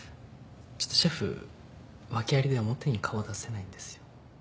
ちょっとシェフ訳ありで表に顔は出せないんですよ。